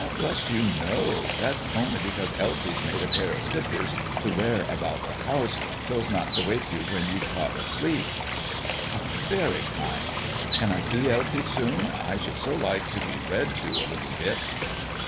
"Bless you, no. That's only because Elsie's made a pair o' slippers to wear about the house, so 's not to wake you when you'd caught a sleep." "How very kind! Can I see Elsie soon? I should so like to be read to a little bit."